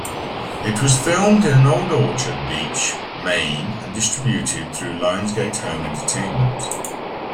It was filmed in Old Orchard Beach, Maine and distributed through Lionsgate Home Entertainment.